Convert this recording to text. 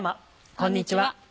こんにちは。